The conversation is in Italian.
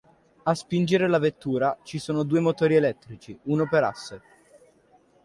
A spingere la vettura ci sono due motori elettrici uno per asse.